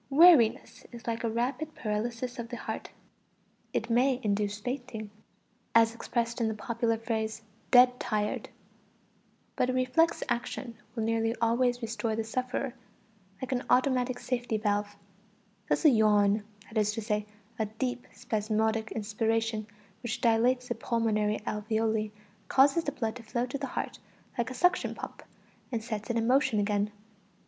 Weariness is like a rapid paralysis of the heart; it may induce fainting, as expressed in the popular phrase "dead tired"; but a reflex action will nearly always restore the sufferer, like an automatic safety valve; thus a yawn, that is to say, a deep, spasmodic inspiration, which dilates the pulmonary alveoli, causes the blood to flow to the heart like a suction pump, and sets it in motion again.